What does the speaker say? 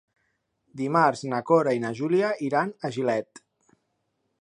Dimarts na Cora i na Júlia iran a Gilet.